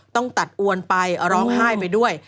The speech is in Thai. ต้องตัดอวนไปร้องไห้ไปด้วย